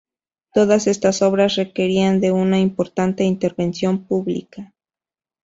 Todas estas obras requerían de una importante intervención pública.